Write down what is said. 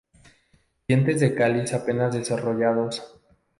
Dientes del cáliz apenas desarrollados.